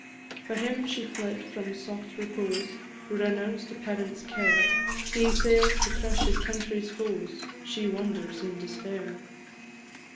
For him she fled from soft repose, Renounced a parent's care; He sails to crush his country's foes, She wanders in despair!